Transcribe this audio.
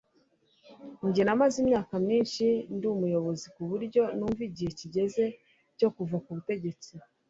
njye namaze imyaka myinshi ndi umuyobozi kuburyo numva igihe kigeze cyo kuva ku butegetsi